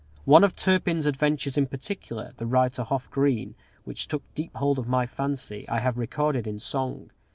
One of Turpin's adventures in particular, the ride to Hough Green, which took deep hold of my fancy, I have recorded in song.